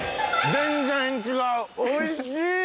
全然違うおいしい！